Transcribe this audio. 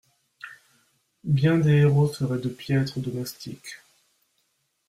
Bien des héros seraient de piètres domestiques.